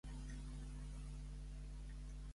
De qui són les paraules que hi ha en aquest?